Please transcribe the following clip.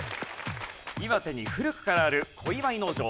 岩手に古くからある小岩井農場。